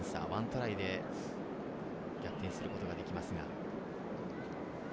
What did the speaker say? １トライで逆転することができます。